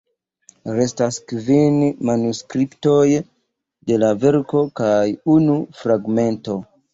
Restas kvin manuskriptoj de la verko, kaj unu fragmento.